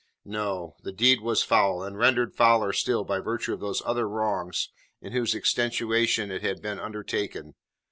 No. The deed was foul, and rendered fouler still by virtue of those other wrongs in whose extenuation it had been undertaken.